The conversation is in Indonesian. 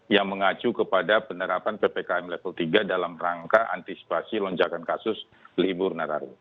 yang mengacu kepada penerapan ppkm level tiga dalam rangka antisipasi lonjakan kasus libur nataru